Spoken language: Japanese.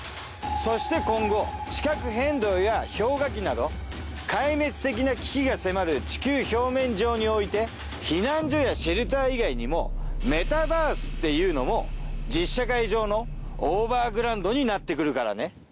そして今後地殻変動や氷河期など壊滅的な危機が迫る地球表面上において避難所やシェルター以外にもメタバースっていうのも実社会上のオーバーグラウンドになってくるからね。